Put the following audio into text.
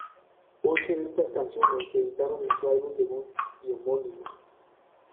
Ocho de estas canciones se editaron en su álbum debut y homónimo.